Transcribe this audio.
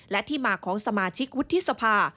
และที่มาของสมาชิกวุฒิสภา